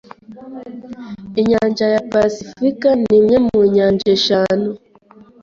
Inyanja ya pasifika ni imwe mu nyanja eshanu.